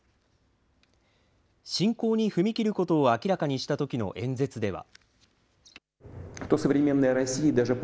侵攻に踏み切ることを明らかにしたときの演説では。